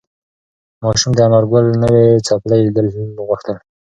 ماشوم د انارګل نوې څپلۍ لیدل غوښتل.